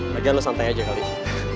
lagian lu santai aja kali ini